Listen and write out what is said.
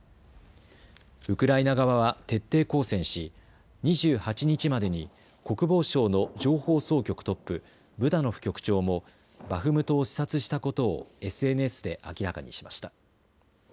ウクライナ側は徹底抗戦し２８日までに国防省の情報総局トップブダノフ局長もバフムトを視察したことをＳＮＳで明らかにしました。